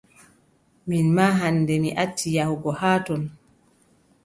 Min maa hannde mi acci yahugo haa ton.